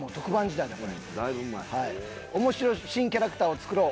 「面白新キャラクターを作ろう！！